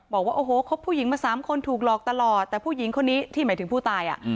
บอกว่าโอ้โหคบผู้หญิงมา๓คนถูกหลอกตลอดแต่ผู้หญิงคนนี้ที่หมายถึงผู้ตาย